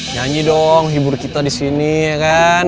nyanyi dong hibur kita di sini ya kan